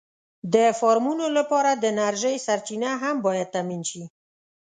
د فارمونو لپاره د انرژۍ سرچینه هم باید تأمېن شي.